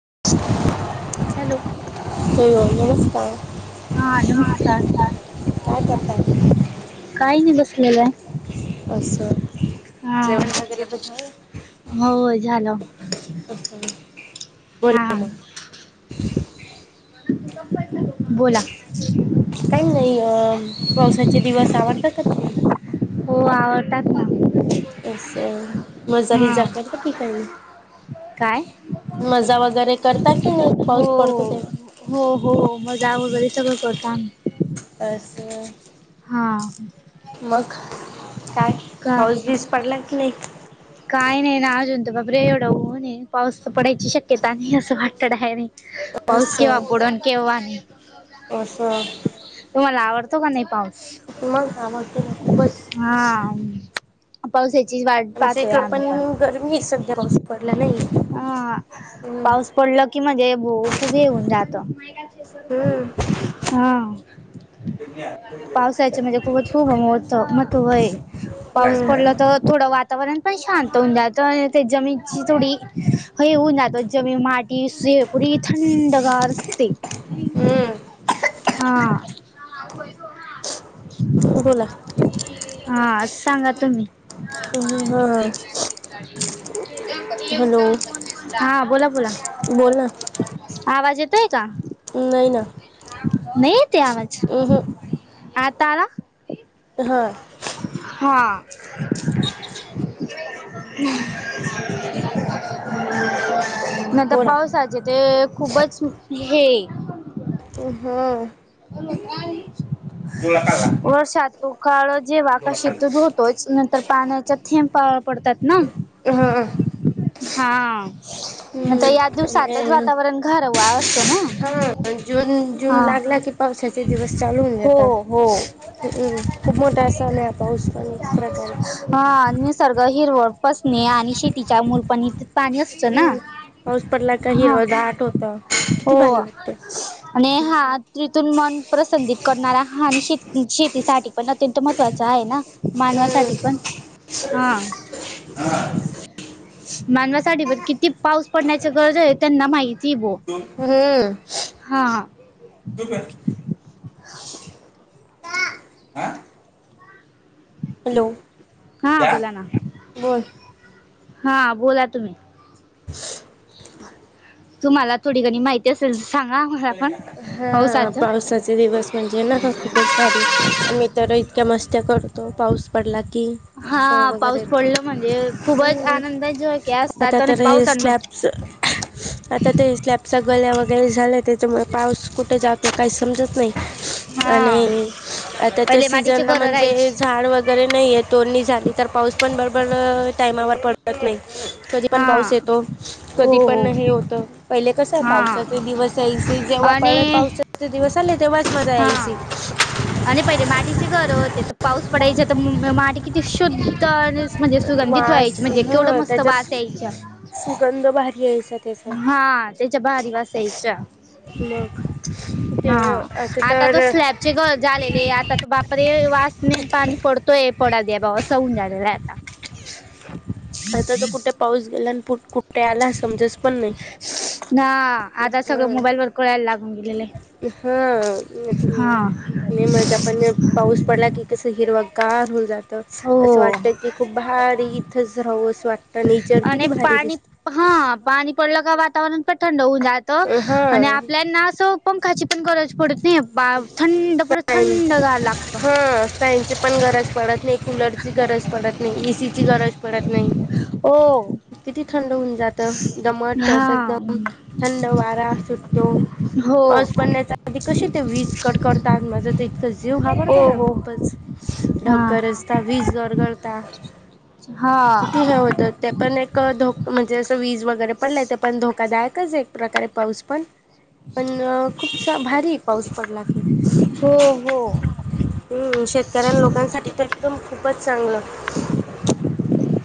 [unintelligible] Hello हो नमस्कार हा नमस्कार काय करताय तुम्ही. काही नाही बसलेलं आहे हा जेवण वगैरे पण झाले हो झालं असं हा बोला बोला काही नाही अ पावसाचे दिवस आवडतात का तुम्हाला हो आवडता. असं मजा हा जात की काही काय मजा वगैरे करता कि नाही पाऊस हो पडतो तेव्हा हो हो मजा वगैरे सगळं करतो आम्ही अस हो हां मग काय का पाऊस बीस पडला की नाही? काय नाही ना अजून तर बाबरे! एवढ ऊन आहे पाऊस पडायची शक्यता नाही असं वाटत डॉयरेक्ट. पाऊस केंवा असं पुरण केवा. असं तुम्हाला आवडत. त ग नाही पाऊ- मग आवरय हा खुपच. पावसाची वाढ. आमच इकडे पण गरमी आहे सध्या पाऊस पडला नाही. हा हम्म पाऊस पडला. की म्हणजे खूप येऊन जातं- हम्म हा पावसाच म्हणजे खूप महत्व आहे पाऊस पडला हम्म तर थोडं वा- वातावरण पण शांत होन जातं ते जमीनची थोडी- ह ऊनतातो जमीन माटी से पुुरी थंडगार असते. नाही हम्म हा बोला हा सांगा तुम्ही हा हॅलो हा बोला बोला बोल ना आवाज येतो. होय का? नाही ना नाही ते आवाज अह आ टाळा हा हा [inaudible] नाहीत बोला पावसाचे ते. खूपच हे! अ हा हॅलो कहा हे वर्षात तो काळं तेव्हा आकाशीतून होतोयचं तर पाण्याचा थेंब प पडतात ना [inaudible] हा मंचा या दिवसांतच वातावरण घारवास सोडा ह जून जून लागला कि पावसाचे दिवस चालू होऊन हो जातात हो हम्म खूप मोठा सण आहे पाऊस पण एक प्रकारे हा निसर्ग हिरवळ पसणे आणि शेतीच्या मूल पण इत पाणी असतं ना हम्म पाऊस पडला का हा हिरवा दाट होत किती हो भारी वाटत आणि हा तिथून मन प्रसंदित करणारा हा आणि श शेतीसाठी पण अत्यंत महत्वाचं आहे ना मानवासाठी का हम्म हा मानवासाठी पण किती पाऊस पडण्याची गरज आहे त्यांना माहित होय. [inaudible] आ हॅलो हा क्या बोला ना बोल हा बोला तुम्ही तुम्हाला थोडीकनी माहिती असेल सांगा आम्हाला पण पावसाचं पावसाचे दिवस म्हणजे ना खूपच भारी मी तर इतक्या मस्त्या करतो. पाऊस पडला की हा सो वगैरे पाऊस पडलं म्हणजे खूपच हम्म आनंदा जळके आता असतात आणि तर हे पावसांमध्ये स्लॅबच आता ते स्लॅबचा गल्या वगैरे झाले त्याच्यामुळे पाऊस कुठे जात तो काही समजत नाही हा आणि आताच्या पहिले मातीचे सीजनला घर म्हणजे राहायची झाड वगैरे नाहीयेत तोडणी झाली तर पाऊस पण बरबर टायमावर पडत नाही. कधी पण हा पाऊस येतो हो कधी पण हो हे होत पहिले कस हा पावसाचे दिवस यायचे जेव्हा पड आणि पाऊस हा आणि पहिले मातीचे घर होती तर पाऊस पडायचे तर माडी किती शुद्ध आणि म्हणजे सुगंधित वास व्हायची म्हणजे केवढं ह मस्त त्याच्या वास यायचा. सुगंध भारी यायचा त्याचा हा त्याच्या भारी वासायच्या मग ते हां आता तो तर स्लॅबचे घरं झालेले आता तो बापरे वास नाय पाणी पडतोय पडाद्या बाबा अस होउन राहता आता तर कुठे पाऊस गेला आणि कुठे आला समजास पण नाही हा आता सगळं हम्म मोबाईल वर कळायला लागून गेलेलं आहे हा हम्म मजा पण पाऊस पडला की कस हिरवा गार होवुन जा असं हो वाटत की खूप भारी रावूस वाटत नेचर किती भारी दिसत लग वातवरण थंड होऊ जातो आणि हा आपल्याला ना असो पंखाची गरज पडत नाही बा थंड पुरे फॅन थंड गार लागतं कुलर ची गरज पडत नाही एसीची गरज पडत नाही हो किती थंड होऊन जात दमट अस हा एकदम थंड वारा सुटतो हो पाऊस पडण्याच्या आधी कशी विज कडकडतात म ते एकतर जीव घाबरतो हो ना हो खूपच ढग हा गरजतात वीज गरगरता किती हा हे होत ते पण एक धो म्हणजे असं वीज वगैरे पडलं ते पण धोकादायकच एक प्रकारे पाऊस पण पण खूप भारी पाऊस पडला की हो हो हम्म शेत कारण लोकांसाठी तर एकदम खूप खूपच चांगलं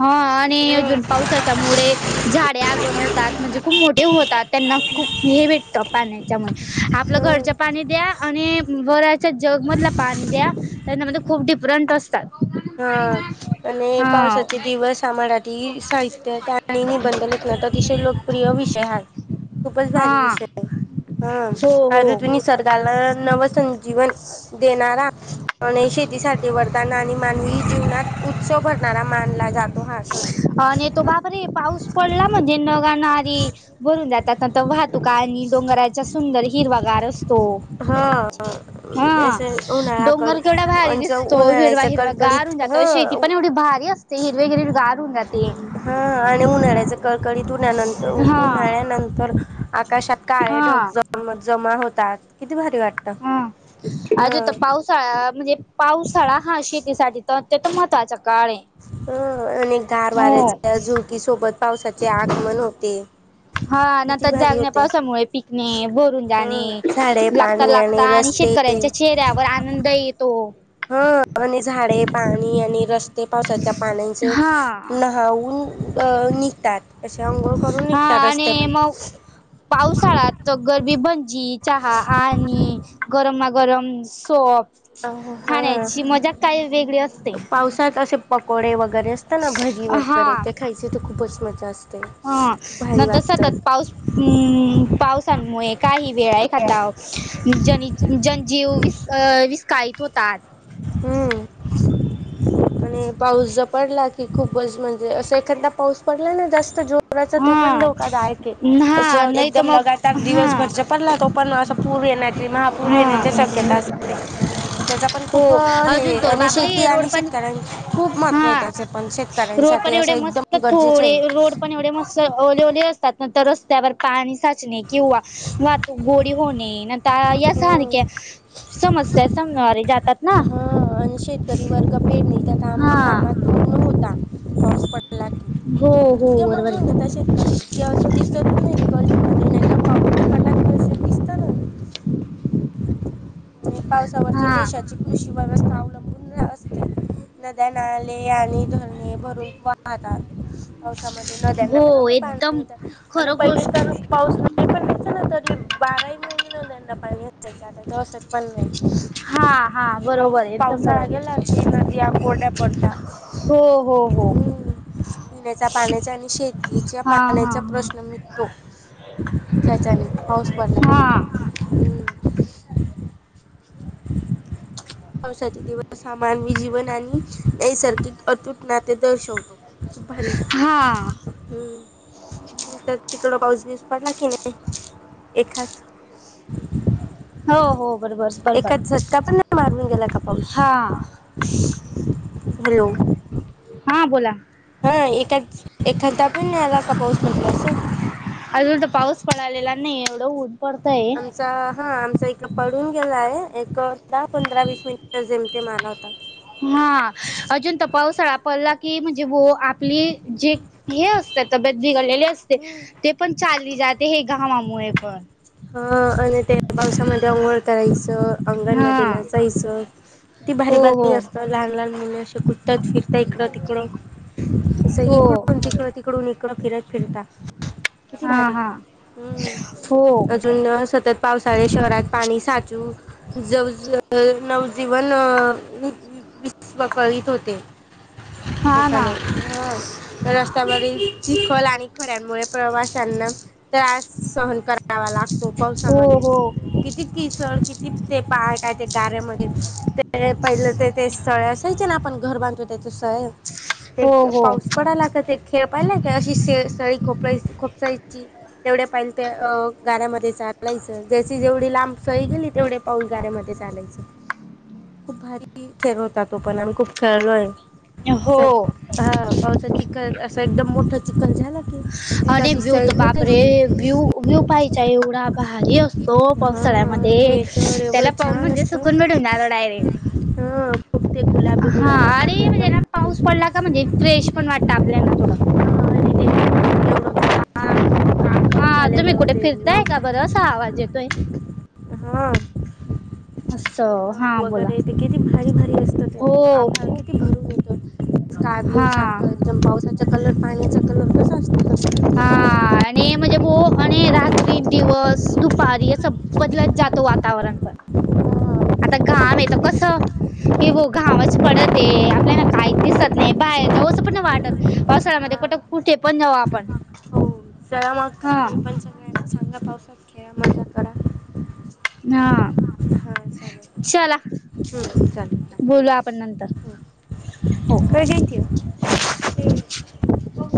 हा आणि अजून पावसाच्या मुडे झाडे आगवण ात म्हणजे खूप मोठे होतात त्यांना खूप हे भेटतं पाण्याच्यामध्ये आपलं हम्म घरच पाणी द्या आणि वराच्या जगमधला पाणी द्या त्यामध्ये खूप डिफरंट असतात हा आणि हा पावसाची दिंव समाडातील साहित्यत आणि निबंध लेखना अतिशय लोकप्रिय विषय ह खूपच हा भारी विषय आहे हो ह हो अरऋ तु निसर्गाला नवं संजीवन देणारा आणी शेतीसाठी वरताना आणि म जीवनात उत्सव भरणार आणि तो बाप रे पाऊस पडला म्हणध्येे नग ना - - ती बु - - समजा जाता ता भात - - तुका आणि डोंगराचा सुंदर हिरवा गार असतो हा हा असं उन्हाळाकड डोंगर केवढा भारी दिसतो हिरवा उन्हाळ्याच हिरवा गारून कडकडीत ह जातो शेती पण एवढी भारी अस - - ते हिरवे हिरवेगा - - हा आणि उन्हाळ्याच क - - कडीत उनानंतर हा उन्हाळ्या नंतर - - आकाशात काळे ढग जम ज - - मा होतात. भारी वाटतं हम हा अजून तर पावसाळा म्हणजे पावसाळा हा शेतीसाठी तर ते तर महत्वाचा - - अं अनेक गार हो वाऱ्याचे झुळकी सोबत पावसाचे आगमन होते. हा न किती तर भारी जागण्या होते पावसामुळे पिकणे भरून ह जाणे झाडे लागता पाणी लागता आणि रस्ते शेतकऱ्यांच्या - - चेहऱ्यावर आनंद येतो. हा आणि झाडे पाणी आणि रस्ते - - ते पावसाच्या पाण्याचे हा नहावून अ निघतात. असे आंघोळ करून हा निघतात आणि रस्त्यावर मग पावसाळत तर गरबी भंजी, चहा आणि गरम - - गरम सोप. हा खाण्याची मजा काय वेगळी असते. कोडे व - - असत ना भजी हा वगैरे ते खायचे तर खूपच मजा असते हा खूप भारी नंतर वाटत. सतत पाऊस हम्म, पावसांमुळे काही - - [unintelligible] ही खातावं. जन जनजीव विस् विस्काळीत होतात. हम्म. पाऊस ज पडला की खूपच म्हणजे अस एखादा पाऊस पडला ना जास्त - - पुराचा तो हा पण धोकादायक कै अस हा नाही तर एकदम मग लगातार हा दिवसभरचा पडला तो पण अस पूर येण्याची महापूर हा येण्याची शक्यता असते त्याचा पण हो खूप हे अजून तर आणि शेती बापरे रोड आणि पाणी शेती खूप महत्व आहे हा त्याच पण रोड शेतकऱ्यांसाठी पण असं एवढे एकदम गरजेचं आहे. असं ओले ओले असतात नंतर रस्त्यावर पाणी साचणे किंवा वाट ओली होणे नंतर हे - - आहे. सारख्या समस्या आहेत सम आरी जास्त - - जातात ना. हां शेतकरी वर्ग पेडणी त्या काम हा कामात मग्न होता हॉपट हो हो इक्या मग्न बरोबर हो [unintelligible] कधीमध्ये नाही का पाऊस एखादा दिवसात दिसतं ना [unintelligible] पावसावरचे हा देशाची कृषी व्यवस्था अवलंबून नद्या नाले आणि धरणे भरून वाहतात पावसामध्ये नद्यांना पण हो किती पाणी एकदम येतात आणि खरं गोष्ट पहिली पाऊस नाही पण नसतात बारा महिने नद्यांना पाणी असत पावसाच पण हा नाही हा पास बरोबर एकदम पावसाळा बरोबर गेलाते नद्या कोड्या पडत हो हो हो हम्म पिण्याच्या पाण्याचा आणि शेतीच्या हा पाण्याचा हा प्रश्न मिटतो त्याच्याने पाऊस पडल्याने हा हम् पावसाचे दिवस सामान्य जीवन आणि नैसर्गिक अतुटना दर्शवतो खूप भारी हा हम् तुमच्या तिकड पाऊस दिस पडला की नाही एखाद हो हो बरोबर एका बरोबर झटका पण मारून गेला हा आपोआप हं हॅलो हा बोला हा ए एखादा पण आला नाही का पाऊस म्हटल अस अजून तर पाऊस पडालेला नाही एवढं उन आमचा हा आमचा एक पडून गेलाय एकदा पंधरा वीस मिनिट जेमते मला होता हा अजून त पाऊसाळा पडला की म्हणजे आपली जे हे असते तब्येत बिघडलेले असते हम्म ते पण चालली जाते हे घाम म हे पण हा आणि त्या पावसामध्ये अंघोळ करायचं अंगणमध्ये हा नाचायचं ति भारी हो भारी हो असतं लहान लहान मुले असे कुठतात फिरतात इकडं तिकडं असं हो इकडून तिकडं तिकडून इकडं फिरत फिरत हा हा अजून सतत पावस शहरात पाणी साचू ज नवजीवन विस्वळीत होते हा ना रस्त्यावर चिखल आणि खऱ्यांमुळे प्रवाशांना त्रास सहन कर वा लागतो हो पावसामध्ये हो किती किसळ किती ते पहायचे गाऱ्यामध्ये ते पहिलं ते ते स्थळे असायचे ना आपण घर बांधतो त्याच स्थळळे हो ते हो पाऊस पडायला का ते खेळ पाहिला काय अशी सळी खोप राईज खोपसाईजची तेवढ्या पाहिले ते गाऱ्यामध्ये चालायचं जची जेवढी लांब सय गेली तेवढे पाऊस गाऱ्यामध्ये चालायच खूप भारी खेळ होता तो पण आ् खूप खेळलो आहे हो चिकन अस एकदम मोठा चिकन झा ना आणि व्यू त वापरे व्यू व्यू पा एवढा भारी असतो हा पावसाळ्यामध्ये याच्यावर त्याला एवढं पाऊन छान म्हणजे असतं सुकून भेटून जाल हा खूप ते डायरेक्ट गुलाबी हा गुलाबी अरे साप एकदम म्हणजेना पाऊस भारी पडला का म्हणजे फ्रेश पण वाटत आपल्याना थोडं हा, आणि ते एवढं काळं- काळपट हा तुम्ही झालेलं कुठे ते फिरताय नग का बरं सहा वाज येतोय हा ते असं नग हा बोला वगैरे ते किती भारी भारी असतात हो आभाळ किती खूप भरून येतो काजू हा सारखा एकदम पावसाचा कलर पाण्याचा कलर तसा असतो तस हा आणि म्हणजे बो आणि स बदलत जातो वातावरण पण हा आता घाम आहे तर कस हे ग घामच पडत आहे आपल्याला काहीच दिसत नाही बाहेर जाऊ असं पण वाटत पावसाळ्यामध्ये कुठ हा कुठे पण जाऊ आपण हो चला मग हा तुम्ही पण सगळ्यांना सांगा पावसात खेळा मला हा हा चला चालेल हम् चालेल बोलू आपण नंतर हो चालेल ख ते